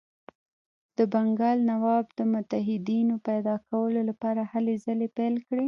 د بنګال نواب متحدینو پیدا کولو لپاره هلې ځلې پیل کړې.